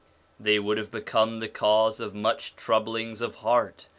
They would have become the cause of much troublings of heart.